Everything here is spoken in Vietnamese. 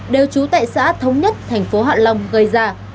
đều trú tại xã thống nhất thành phố hạ long gây ra